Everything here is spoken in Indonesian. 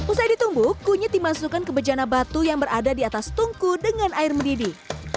usai ditumbuk kunyit dimasukkan ke bejana batu yang berada di atas tungku dengan air mendidih